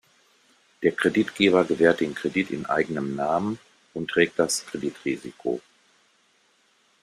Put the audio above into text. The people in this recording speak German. Der Kreditgeber gewährt den Kredit im eigenen Namen und trägt das Kreditrisiko.